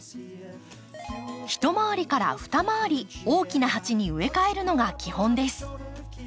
一回りから二回り大きな鉢に植え替えるのが基本です。